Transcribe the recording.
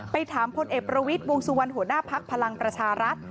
ถามพลเอกประวิทย์วงสุวรรณหัวหน้าภักดิ์พลังประชารัฐ